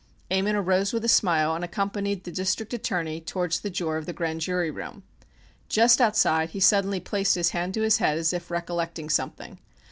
Ammon arose with a smile and accompanied the District Attorney towards the door of the grand jury room. Just outside he suddenly placed his hand to his head as if recollecting something.